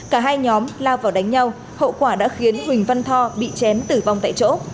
cả hai nhóm lao vào đánh nhau hậu quả đã khiến huỳnh văn tho bị chém tử vong tại chỗ